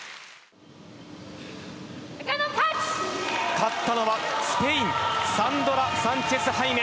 勝ったのはスペイン、サンドラ・サンチェスハイメ。